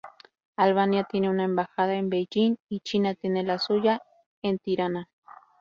Albania tiene una embajada en Beijing y China tiene la suya en Tirana.